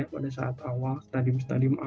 pada saat awal tadi tadi maaf